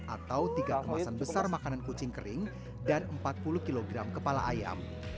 atau tiga kemasan besar makanan kucing kering dan empat puluh kg kepala ayam